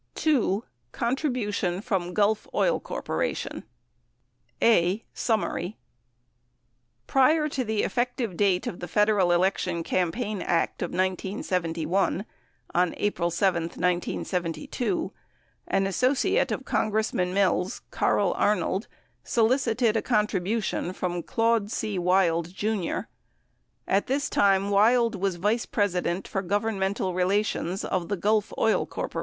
CONTRIBUTION FROM GULF OIL CORP. A. Summary Prior to the effective date of the Federal Election Campaign Act of 1971 (on April 7, 1972), an associate of Congressman Mills, Carl Arnold, solicited a contribution from Claude C. Wild, Jr. At this time, Wild was vice president for governmental relations of the Gulf Oil Corp.